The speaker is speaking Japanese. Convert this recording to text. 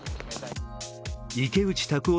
池内卓夫